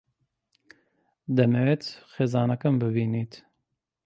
دەمەوێت خێزانەکەم ببینیت.